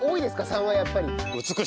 ３はやっぱり。